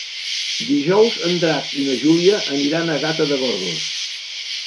Dijous en Drac i na Júlia aniran a Gata de Gorgos.